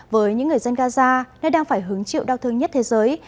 với những người dân gaza nơi đang phải hứng chịu đau thương nhất thế giới